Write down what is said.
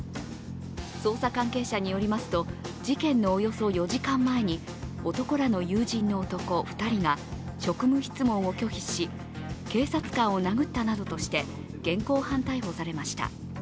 捜査関係者によりますと、事件のおよそ４時間前に、男らの友人の男２人が職務質問を拒否し、警察官を殴ったなどとして現行犯逮捕されました。